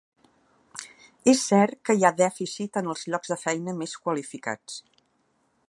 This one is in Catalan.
És cert que hi ha dèficit en els llocs de feina més qualificats.